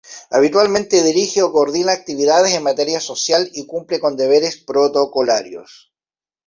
Habitualmente dirige o coordina actividades en materia social y cumple con deberes protocolarios.